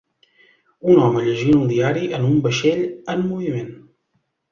Un home llegint un diari en un vaixell en moviment.